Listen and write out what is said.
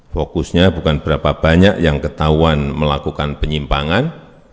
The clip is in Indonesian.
fokusnya bukan berapa banyak yang ketahuan melakukan penyimpangan